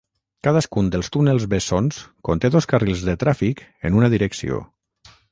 Cadascun dels túnels bessons conté dos carrils de tràfic en una direcció.